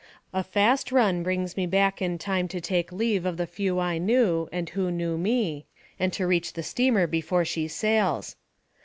A fast run brings me back in time to take leave of the few I knew and who knew me, and to reach the steamer before she sails.